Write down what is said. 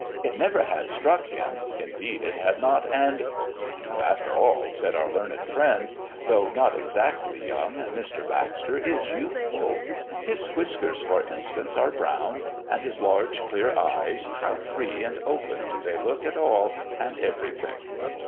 "It never had struck him indeed it had not and, "After all," said our learned friend; "though not exactly young, Mr. Baxter is youthful. His whiskers, for instance, are brown; and his large, clear eyes, how free and open do they look at all and everything!